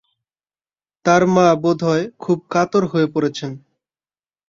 তাঁর মা বোধ হয় খুব কাতর হয়ে পড়েছেন।